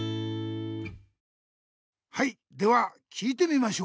はいでは聞いてみましょう。